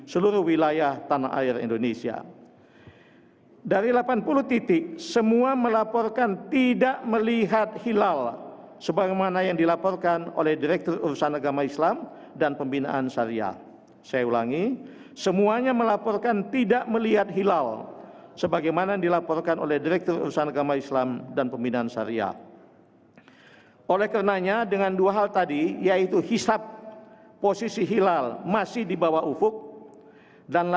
kita harus memiliki kemampuan dan kemampuan yang dapat kita lakukan